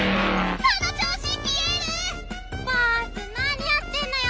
なにやってんのよ！